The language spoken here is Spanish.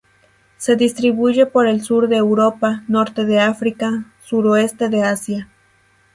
Se distribuye por el sur de Europa, Norte de África, Suroeste de Asia.